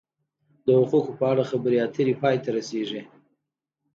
د حقوقو په اړه خبرې اترې پای ته رسیږي.